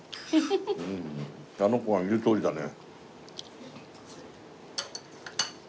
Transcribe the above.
あの子が言うとおりだね。